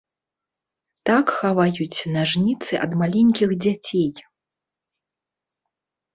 Так хаваюць нажніцы ад маленькіх дзяцей.